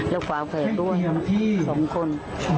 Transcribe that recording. แล้วขวาแผดด้วยสองคน